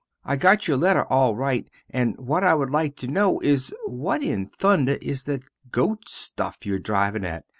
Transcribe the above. I got your letter al rite and what I wood like to no is what in thunder is that goat stuff you are drivin at?